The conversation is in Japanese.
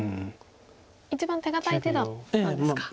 一番手堅い手だったんですか。